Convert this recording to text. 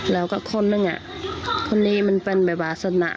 แล้วก็คนนึงอ่ะคนนี้มันเป็นแบบภาษณะ